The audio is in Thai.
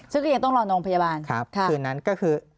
ซึ่งก็ยังต้องรอนตรงพยาบาลครับค่ะค่ะค่ะคืนนั้นก็คือ